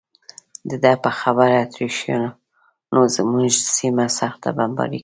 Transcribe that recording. د ده په خبره اتریشیانو زموږ سیمه سخته بمباري کړې.